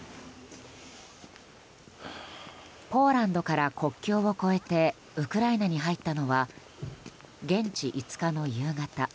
ポーランドから国境を越えてウクライナに入ったのは現地５日の夕方。